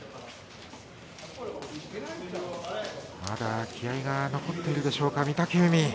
まだ気合いが残っているでしょうか、御嶽海。